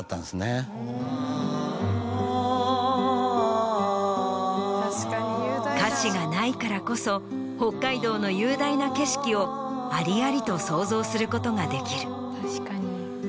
アーアアアアアアー歌詞がないからこそ北海道の雄大な景色をありありと想像することができる。